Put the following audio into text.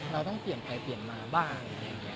เราต้องเปลี่ยนไปเปลี่ยนมาบ้าง